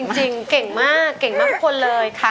เก่งมากเก่งมากทุกคนเลยค่ะ